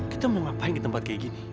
kita mau ngapain di tempat kayak gini